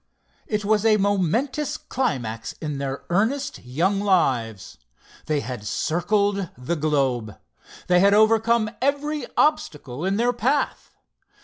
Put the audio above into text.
It was a momentous climax in their earnest young lives. They had circled the globe. They had overcome every obstacle in their path.